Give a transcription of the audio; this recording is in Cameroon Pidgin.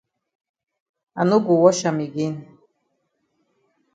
I no go wash am again.